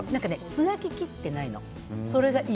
つなぎきっていないの。